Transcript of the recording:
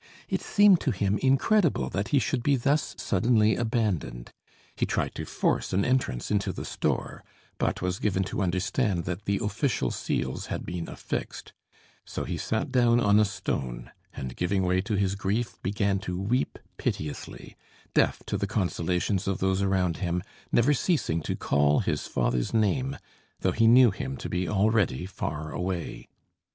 It seemed to him incredible that he should be thus suddenly abandoned; he tried to force an entrance into the store; but was given to understand that the official seals had been affixed; so he sat down on a stone, and giving way to his grief, began to weep piteously, deaf to the consolations of those around him, never ceasing to call his father's name, though he knew him to be already far away.